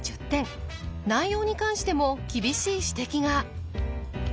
内容に関しても厳しい指摘が。